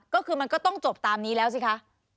ก็คือมันก็ต้องจบตามนี้แล้วสิคะ